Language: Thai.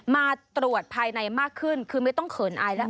มาตรวจภายในมากขึ้นคือไม่ต้องเขินอายแล้ว